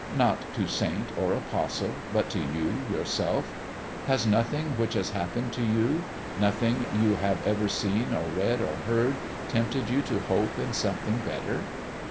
not to saint or apostle, but to you, yourself? Has nothing which has happened to you, nothing you have ever seen or read or heard, tempted you to hope in something better?"